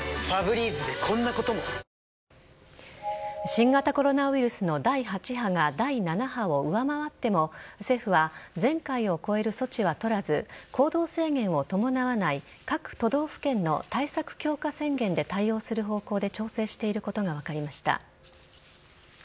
新型コロナウイルスの第８波が第７波を上回っても政府は前回を超える措置は取らず行動制限を伴わない各都道府県の対策強化宣言で対応する方向で調整していることが分かりました。